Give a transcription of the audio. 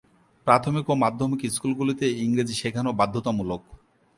প্রাথমিক ও মাধ্যমিক স্কুলগুলিতে ইংরেজি শেখানো বাধ্যতামূলক।